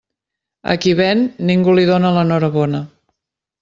A qui ven, ningú li dóna l'enhorabona.